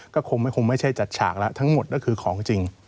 ก็คงไม่ใช่จัดฉากแล้วทั้งหมดก็คือของจริง